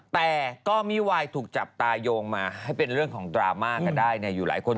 แต่ก็มิวายถูกจับตายงมาให้เป็นเรื่องของดราม่ากันได้อยู่หลายคน